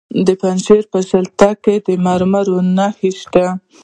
د پنجشیر په شتل کې د مرمرو نښې شته.